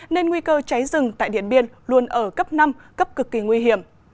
nên nguy cơ cháy rừng tại điện biên luôn ở cấp năm cấp cực kỳ nguy hiểm